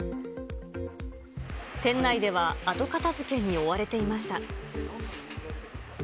店内では後片づけに追われていました。